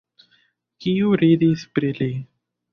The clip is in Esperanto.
Kiu ridis pri li?